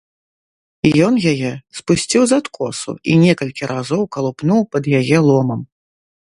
Ён яе спусціў з адкосу і некалькі разоў калупнуў пад яе ломам.